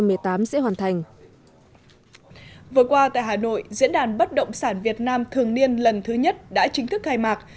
vừa qua tại hà nội diễn đàn bất động sản việt nam thường niên lần thứ nhất đã chính thức khai mạc